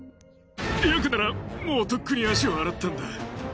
ヤクならもうとっくに足を洗ったんだ。